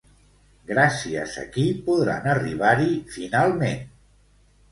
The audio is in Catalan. Gràcies a qui podran arribar-hi finalment?